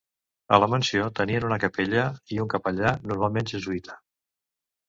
A la mansió tenien una capella i un capellà, normalment jesuïta.